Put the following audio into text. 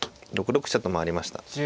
６六飛車と回りました。